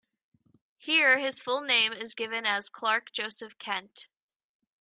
Here, his full name is given as Clark Joseph Kent.